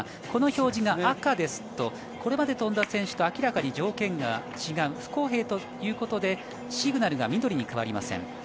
この表示が赤ですとこれまで飛んだ選手と明らかに条件が違う、不公平ということで、シグナルが緑に変わりません。